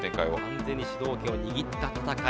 完全に主導権を握った戦い。